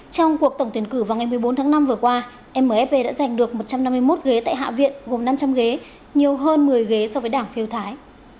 trong cuộc tổng tuyển cử vào ngày một mươi bốn tháng năm vừa qua mfv đã giành được một trăm năm mươi một ghế tại hạ viện gồm năm trăm linh ghế nhiều hơn một mươi ghế so với đảng phiêu thái